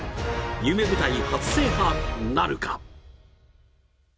夢舞台、初制覇なるか。